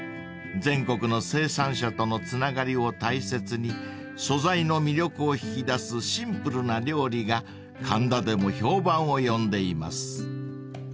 ［全国の生産者とのつながりを大切に素材の魅力を引き出すシンプルな料理が神田でも評判を呼んでいます］